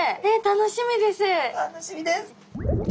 楽しみです。